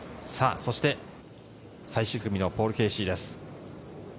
そして最終組のポール・ケーシーです。